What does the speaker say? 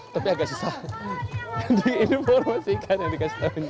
tapi agak susah diinformasikan yang dikasih tahunnya